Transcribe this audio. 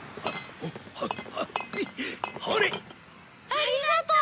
ありがとう！